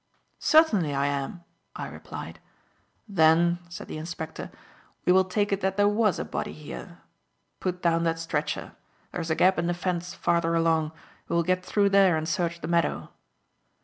"Certainly I am," I replied. "Then," said the inspector, "we will take it that there was a body here. Put down that stretcher. There is a gap in the fence farther along. We will get through there and search the meadow."